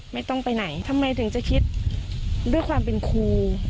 ไม่ต้องไปไหนทำไมถึงจะคิดด้วยความเป็นครู